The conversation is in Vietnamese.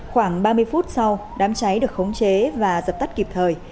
khoảng ba mươi phút sau đám cháy được khống chế và dập tắt kịp thời